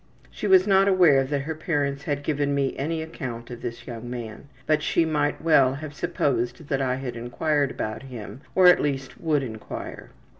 She was not aware that her parents had given me any account of this young man, but she might well have supposed that I had inquired about him, or at least would inquire.